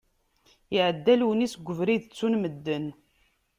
Iεedda Lunis deg ubrid ttun medden.